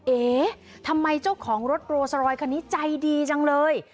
เอ๊ทำไมเจ้าของรถโรสรอยคันนี้ใจดีจังเลย